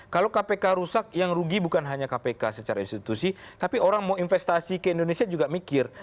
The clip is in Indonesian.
kalau kpk rusak yang rugi bukan hanya kpk secara institusi tapi orang mau investasi ke indonesia juga mikir